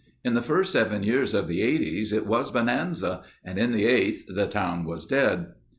In the first seven years of the Eighties it was bonanza and in the eighth the town was dead."